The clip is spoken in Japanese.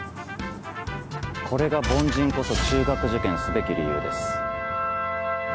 これが凡人こそ中学受験すべき理由です。